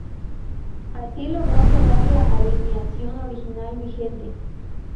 Así, logró quedar la alineación original vigente.